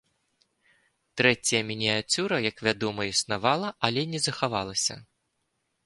Трэцяя мініяцюра, як вядома, існавала, але не захавалася.